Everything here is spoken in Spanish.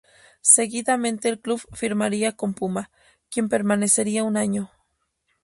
Seguidamente el club firmaría con Puma, quien permanecería un año.